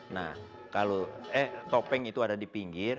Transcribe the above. nah kalau eh topeng itu ada di pinggir